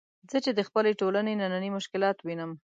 زه چې د خپلې ټولنې نني مشکلات وینم.